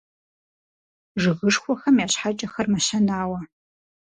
Жыгышхуэхэм я щхьэкӀэхэр мэщэнауэ.